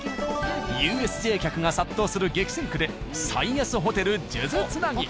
ＵＳＪ客が殺到する激戦区で最安ホテル数珠つなぎ。